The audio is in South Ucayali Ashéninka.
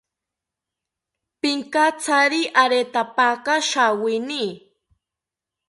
Pinkatsari aretapaka shawini